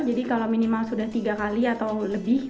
jadi kalau minimal sudah tiga kali atau lebih